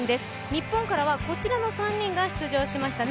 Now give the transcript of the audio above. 日本からはこちらの３人が出場しましたね。